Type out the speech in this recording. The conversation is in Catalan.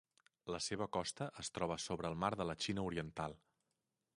La seva costa es troba sobre el mar de la Xina Oriental.